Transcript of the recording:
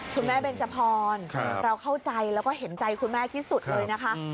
เบนจพรเราเข้าใจแล้วก็เห็นใจคุณแม่ที่สุดเลยนะคะ